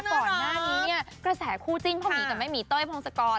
ก่อนหน้านี้เนี่ยกระแสคู่จิ้นพ่อหมีกับแม่หมีเต้ยพงศกร